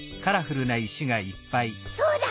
そうだ！